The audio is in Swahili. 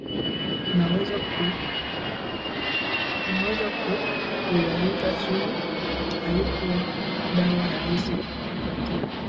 naweza ku kuyaita sumu haikuwa dawa halisi kupatia